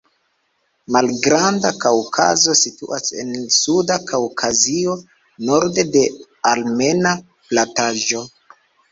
Malgranda Kaŭkazo situas en Suda Kaŭkazio, norde de Armena plataĵo.